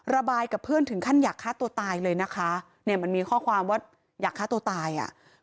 ระบายกับเพื่อนถึงขั้นอยากฆ่าตัวตายเลยนะคะเนี่ยมันมีข้อความว่าอยากฆ่าตัวตายอ่ะ